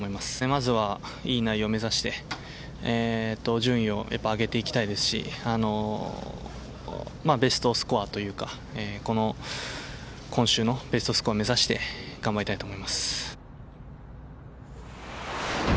まずはいい内容を目指して順位を上げていきたいですしベストスコアというか、今週のベストスコアを目指して頑張りたいと思います。